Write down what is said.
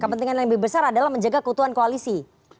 kepentingan yang lebih besar adalah menjaga keutuhan koalisi